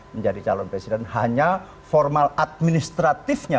menjadi calon presiden hanya formal administratifnya